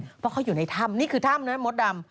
เพราะเขาอยู่ในถ้ำนี่คือถ้ำนะมดดำ